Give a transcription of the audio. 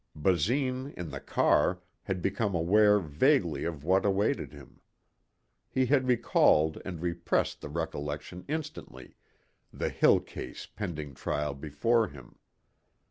Basine, in the car, had become aware vaguely of what awaited him. He had recalled and repressed the recollection instantly, the Hill case pending trial before him.